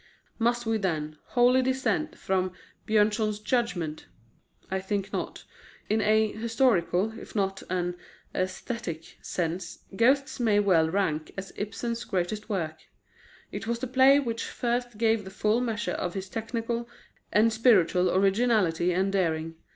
Must we, then, wholly dissent from Björnson's judgment? I think not. In a historical, if not in an aesthetic, sense, Ghosts may well rank as Ibsen's greatest work. It was the play which first gave the full measure of his technical and spiritual originality and daring.